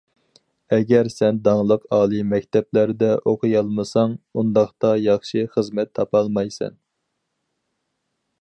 ئەگەر سەن داڭلىق ئالىي مەكتەپلەردە ئوقۇيالمىساڭ، ئۇنداقتا ياخشى خىزمەت تاپالمايسەن.